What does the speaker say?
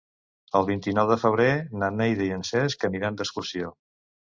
El vint-i-nou de febrer na Neida i en Cesc aniran d'excursió.